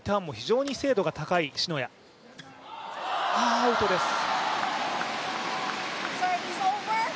アウトです。